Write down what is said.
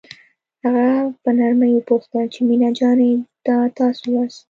هغه په نرمۍ وپوښتل چې مينه جانې دا تاسو یاست.